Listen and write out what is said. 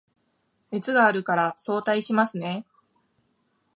熱があるから早退しますね